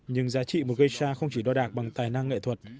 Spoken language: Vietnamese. nhưng giá trị một geisha không chỉ đo đạc bằng tài năng nghệ thuật